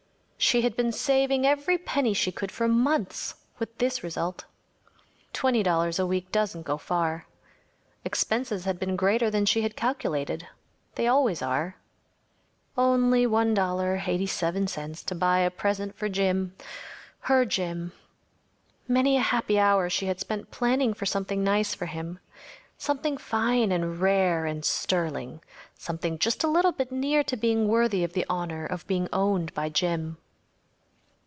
She had been saving every penny she could for months, with this result. Twenty dollars a week doesn’t go far. Expenses had been greater than she had calculated. They always are. Only $1.87 to buy a present for Jim. Her Jim. Many a happy hour she had spent planning for something nice for him. Something fine and rare and sterling‚ÄĒsomething just a little bit near to being worthy of the honor of being owned by Jim.